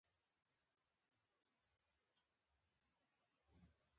چي نیژدې په یوه کلي کي دهقان دی